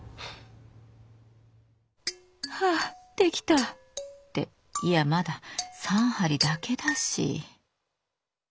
「はあ出来た」っていやまだ３針だけだし。